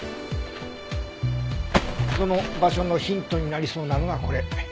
その場所のヒントになりそうなのがこれ。